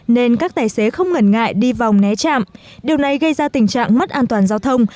nên các tài xế không ngần ngại đi vòng né trạm điều này gây ra tình trạng mất an toàn giao thông